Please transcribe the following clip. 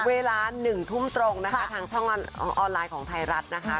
เวลา๑ทุ่มตรงนะคะทางช่องออนไลน์ของไทยรัฐนะคะ